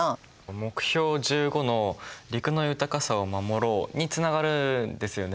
目標１５の「陸の豊かさも守ろう」につながるんですよね。